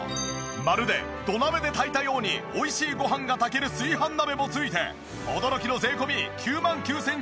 まるで土鍋で炊いたように美味しいご飯が炊ける炊飯鍋も付いて驚きの税込９万９９００円。